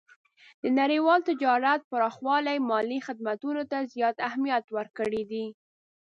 د نړیوال تجارت پراخوالی مالي خدمتونو ته زیات اهمیت ورکړی دی.